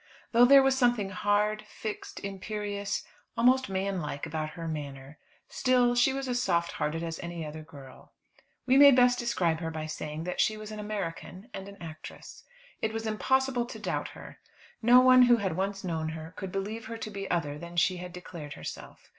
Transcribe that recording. Though there was something hard, fixed, imperious, almost manlike about her manner, still she was as soft hearted as any other girl. We may best describe her by saying that she was an American and an actress. It was impossible to doubt her. No one who had once known her could believe her to be other than she had declared herself.